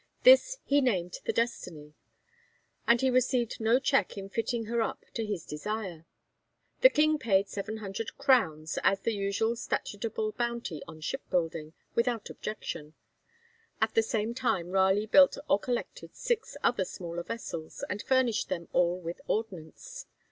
This he named the 'Destiny,' and he received no check in fitting her up to his desire; the King paid 700 crowns, as the usual statutable bounty on shipbuilding, without objection. At the same time Raleigh built or collected six other smaller vessels, and furnished them all with ordnance.